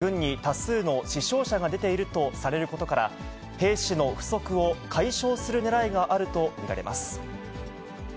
ウクライナ侵攻で軍に多数の死傷者が出ているとされることから、兵士の不足を解消するねらいがあると見られます。